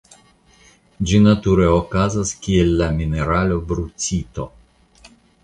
Ĝi nature okazas kiel la mineralo brucito.